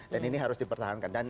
dan ini harus dipertahankan